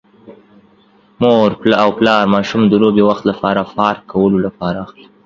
مور او پلار ماشوم د لوبې وخت لپاره پارک کولو لپاره اخلي.